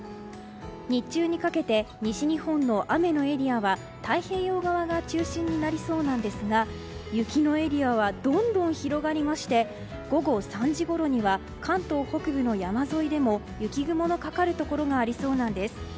日中にかけて西日本の雨のエリアは太平洋側が中心になりそうですが雪のエリアはどんどん広がりまして午後３時ごろには関東北部の山沿いでも雪雲のかかるところがありそうです。